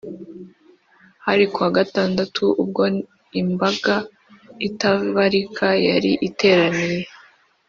hari ku wa gatandatu, ubwo imbaga itabarika yari iteraniye i